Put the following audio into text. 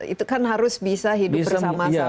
itu kan harus bisa hidup bersama sama